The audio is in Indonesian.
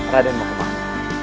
raden mau ke mana